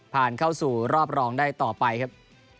ผ่านเข้าสู่รอบรองได้ต่อไปครับ